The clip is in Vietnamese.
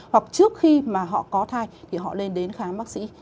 hoặc trước khi mà họ có thai thì họ lên đến khám bác sĩ